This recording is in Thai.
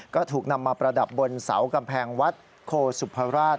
ก็ถูกนำมาประดับบนเสากำแพงวัดโคสุภราช